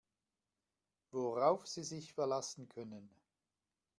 Worauf Sie sich verlassen können.